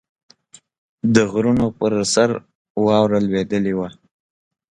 د غرونو پر سر واوره لوېدلې وه.